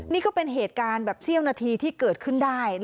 นี่ก็เป็นเหตุการณ์แบบเสี้ยวนาทีที่เกิดขึ้นได้